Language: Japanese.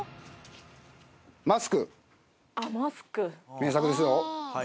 名作ですよ。